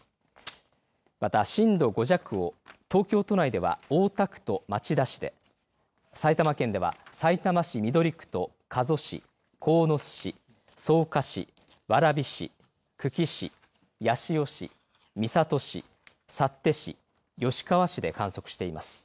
また震度５弱を東京都内では大田区と町田市で埼玉県では、さいたま市緑区と加須市、鴻巣市、草加市蕨市、久喜市、八潮市三郷市、幸手市、吉川市で観測しています。